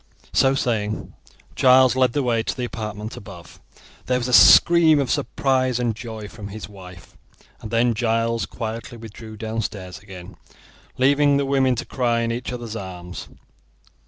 So saying, Giles led the way to the apartment above. There was a scream of surprise and joy from his wife, and then Giles quietly withdrew downstairs again, leaving the women to cry in each other's arms.